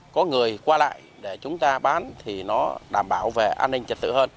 có người qua lại để chúng ta bán thì nó đảm bảo về an ninh trật tự hơn